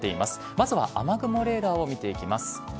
まずは雨雲レーダーを見ていきます。